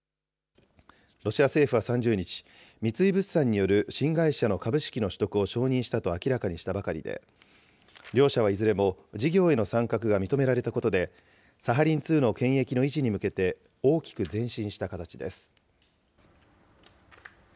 ロシア政府は３０日、三井物産による新会社の株式の取得を承認したと明らかにしたばかりで、両社はいずれも事業への参画が認められたことで、サハリン２の権益の維持に向けて、大きく前進した形です。